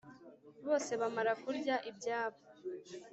Bose bamara kurya ibyabo,